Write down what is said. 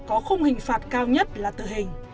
có khung hình phạt cao nhất là tử hình